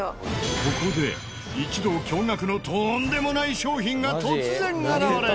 ここで一同驚愕のとんでもない商品が突然現れる！